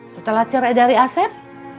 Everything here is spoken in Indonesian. setelah cerai dari asep